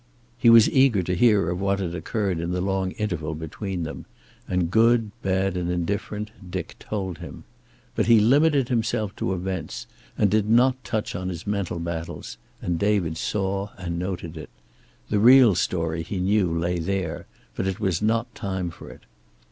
He was eager to hear of what had occurred in the long interval between them, and good, bad and indifferent Dick told him. But he limited himself to events, and did not touch on his mental battles, and David saw and noted it. The real story, he knew, lay there, but it was not time for it.